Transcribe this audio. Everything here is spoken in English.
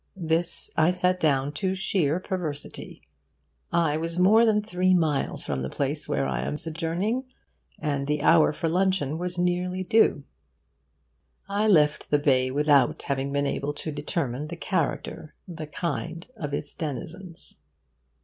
This I set down to sheer perversity. I was more than three miles from the place where I am sojourning, and the hour for luncheon was nearly due. I left the bay without having been able to determine the character, the kind, of its denizens.